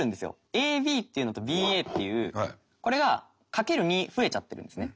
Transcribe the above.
ＡＢっていうのとＢＡっていうこれが×２増えちゃってるんですね。